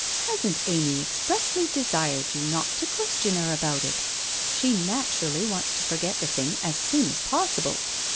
Hasn't Amy expressly desired you not to question her about it! She naturally wants to forget the thing as soon as possible.